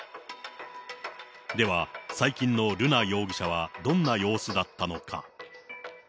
では、最近の瑠奈容疑者はどんな様子だったのか。